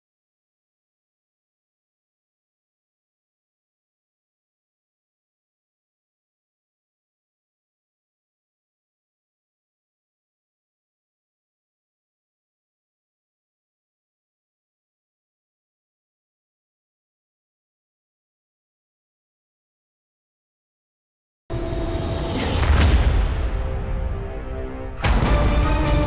ini ngapain papa aja